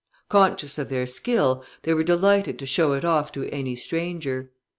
Conscious of their skill, they were delighted to show it off to any stranger.